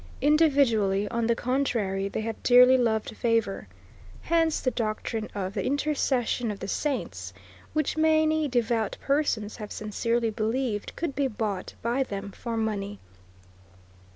Individually, on the contrary, they have dearly loved favor. Hence the doctrine of the Intercession of the Saints, which many devout persons have sincerely believed could be bought by them for money.